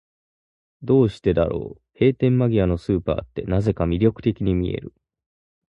どうしてだろう、閉店間際のスーパーって、なぜか魅力的に見える。